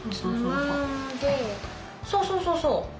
そうそうそうそう。